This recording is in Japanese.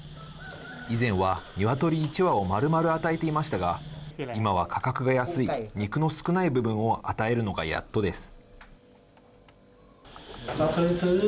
以前はニワトリ１羽をまるまる与えていましたが今は価格が安い肉の少ない部分を与えるのがやっとです。